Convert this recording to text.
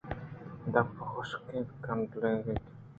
دپ حُشک ءُ کلنڈ اَت